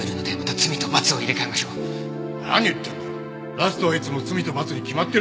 ラストはいつも『罪と罰』に決まってるじゃないか。